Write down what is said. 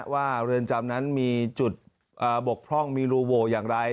เรือนจำนั้นมีจุดบกพร่องมีรูโวอย่างไร